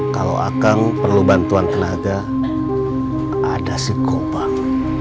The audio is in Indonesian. kalau akang perlu bantuan tenaga ada si korban